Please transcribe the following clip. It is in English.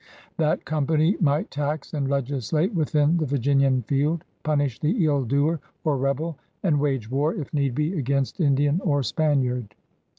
That Company might tax and legislate within the Vir ginian field, punish the ill doer or '^ rebel,'' and wage war, if need be, against Indian or Spaniard.